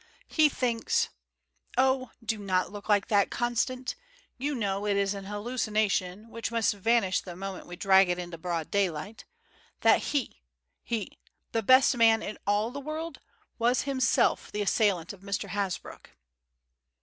He thinks oh! do not look like that, Constant; you know it is an hallucination which must vanish the moment we drag it into broad daylight that he he, the best man in all the world, was himself the assailant of Mr. Hasbrouck."